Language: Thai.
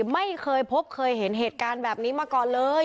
ไม่เคยพบเคยเห็นเหตุการณ์แบบนี้มาก่อนเลย